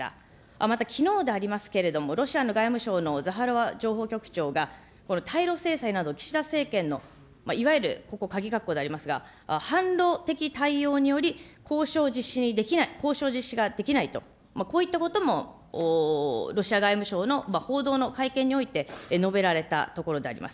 またきのうでありますけれども、ロシアの外務省のザハロワ情報局長が、この対ロ制裁など、岸田政権のいわゆる、ここ、「」でありますが、反ロ的対応により、交渉実施できない、交渉実施ができないと、こういったこともロシア外務省の報道の会見において述べられたところであります。